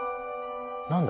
何だ